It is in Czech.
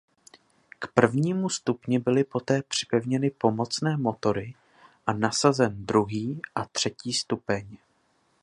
K prvnímu stupni byly poté připevněny pomocné motory a nasazen druhý a třetí stupeň.